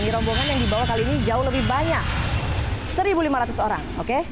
rombongan yang dibawa kali ini jauh lebih banyak satu lima ratus orang oke